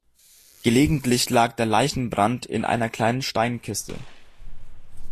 Gelegentlich lag der Leichenbrand in einer kleinen Steinkiste.